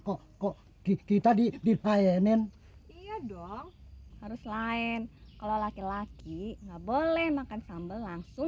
kok kok kita di di payanin iya dong harus lain kalau laki laki nggak boleh makan sambal langsung